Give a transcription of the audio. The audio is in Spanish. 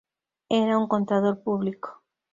Era un contador Público.